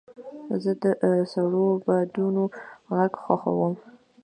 زه د سړو بادونو غږ خوښوم.